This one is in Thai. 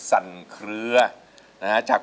แต่เงินมีไหม